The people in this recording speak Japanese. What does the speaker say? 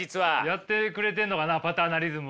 やってくれてんのかなパターナリズムを。